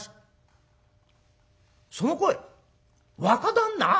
その声若旦那？